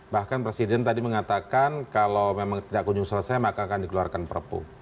bahkan presiden tadi mengatakan kalau memang tidak kunjung selesai maka akan dikeluarkan perpu